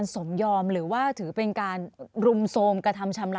ถือว่าเป็นการสมยอม